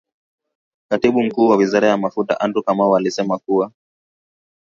Katibu Mkuu wa Wizara ya Mafuta Andrew Kamau alisema kuwa